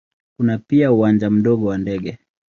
Kuna pia uwanja mdogo wa ndege.